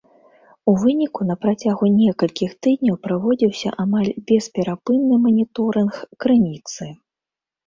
У выніку на працягу некалькіх тыдняў праводзіўся амаль бесперапынны маніторынг крыніцы.